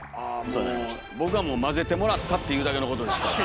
僕はもう交ぜてもらったっていうだけのことでしたから。